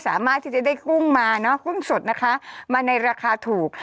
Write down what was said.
สามารถที่จะได้กุ้งมาเนอะกุ้งสดนะคะมาในราคาถูก